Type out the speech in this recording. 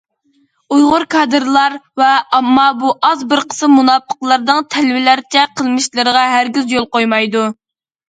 ئۇيغۇر كادىرلار ۋە ئامما بۇ ئاز بىر قىسىم مۇناپىقلارنىڭ تەلۋىلەرچە قىلمىشلىرىغا ھەرگىز يول قويمايدۇ.